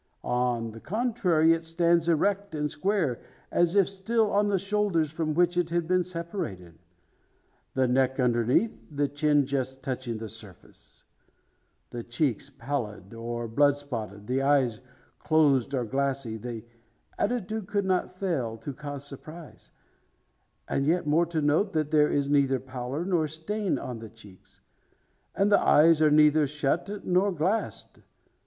On the contrary, it stands erect, and square, as if still on the shoulders from which it has been separated; the neck underneath, the chin just touching the surface. With cheeks pallid, or blood spotted, and eyes closed or glassy, the attitude could not fail to cause surprise. And yet more to note, that there is neither pallor, nor stain on the cheeks; and the eyes are neither shut, nor glassed.